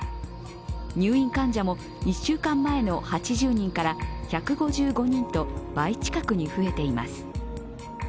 入院患者も、１週間前の８０人から１５５人と倍近く増えています。